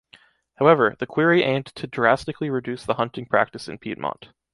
However, the query aimed to drastically reduce the hunting practice in Piedmont.